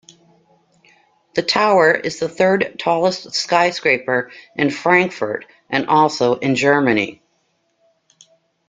The tower is the third tallest skyscraper in Frankfurt and also in Germany.